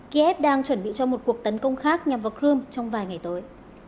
kiev đang chuẩn bị cho một cuộc tấn công khác nhằm vào crimea trong vài ngày tới